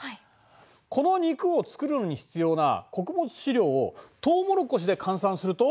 この肉を作るのに必要な穀物飼料をトウモロコシで換算すると。